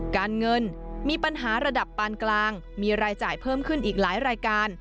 การเงินมีปัญหาระดับปานกลางมีรายจ่ายเพิ่มขึ้นอีกหลายรายการ